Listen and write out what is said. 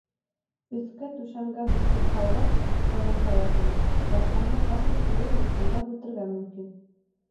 Өҫкә түшәмгә күҙ һалғас, һығымта яһаны: япманы ҡасан теләйһең, шунда һүтергә мөмкин.